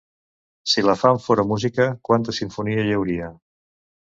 Si la fam fora música, quanta simfonia hi hauria!